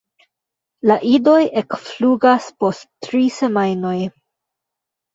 La idoj ekflugas post tri semajnoj.